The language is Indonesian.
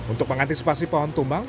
untuk pengantisipasi pohon tumbang